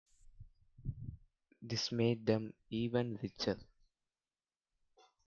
This made them even richer.